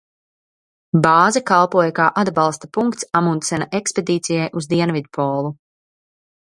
Bāze kalpoja kā atbalsta punkts Amundsena ekspedīcijai uz Dienvidpolu.